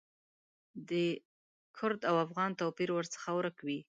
د کرد او افغان توپیر ورڅخه ورک وي.